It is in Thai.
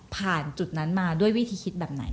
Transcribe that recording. ผ่านจุดนั้นมาด้วยวิธีคิดแบบไหน